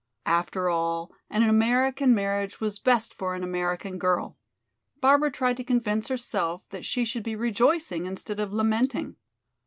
After all, an American marriage was best for an American girl! Barbara tried to convince herself that she should be rejoicing instead of lamenting.